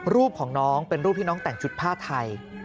รูปของน้องเป็นรูปที่น้องแต่งชุดผ้าไทย